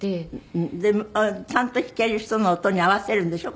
ちゃんと弾ける人の音に合わせるんでしょ？